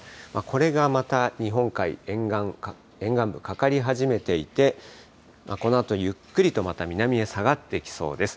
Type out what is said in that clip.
これがまた日本海沿岸部、かかり始めていて、このあとゆっくりとまた南へ下がってきそうです。